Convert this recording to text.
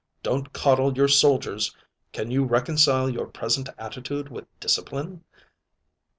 Don't coddle your soldiers. Can you reconcile your present attitude with discipline?"